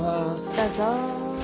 どうぞ。